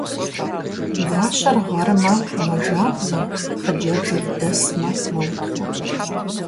Гуащэр гъэрмэ, мэжабзэ, хъыджэбзыр дэсмэ, мэутхъуэ.